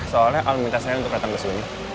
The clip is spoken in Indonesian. soalnya al minta saya untuk datang ke sini